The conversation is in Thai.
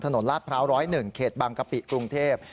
ถนนราชพราว๑๐๑เขตบางกะปิกรุงเทพย์